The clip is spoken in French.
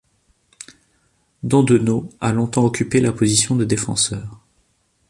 Dandenault a longtemps occupé la position de défenseur.